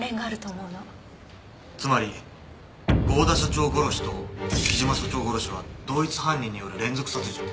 つまり合田社長殺しと貴島社長殺しは同一犯人による連続殺人？